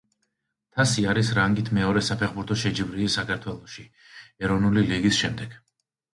თასი არის რანგით მეორე საფეხბურთო შეჯიბრი საქართველოში ეროვნული ლიგის შემდეგ.